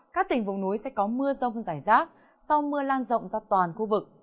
các tỉnh vùng núi sẽ có mưa rông rải rác sau mưa lan rộng ra toàn khu vực